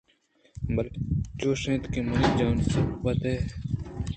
بلے چُش اِنت کہ منی جان سکّ ہید بیت